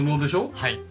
はい。